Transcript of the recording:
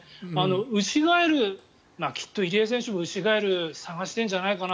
ウシガエル、きっと入江選手もウシガエルを探しているんじゃないかな。